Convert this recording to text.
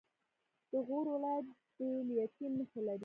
د غور ولایت د لیتیم نښې لري.